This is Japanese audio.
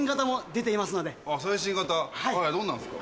最新型どんなんすか？